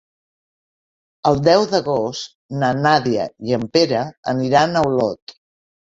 El deu d'agost na Nàdia i en Pere aniran a Olot.